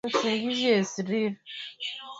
hijja inawapa fursa waislamu ulimwenguni kukutana